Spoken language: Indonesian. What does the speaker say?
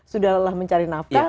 sudah lelah mencari nafkah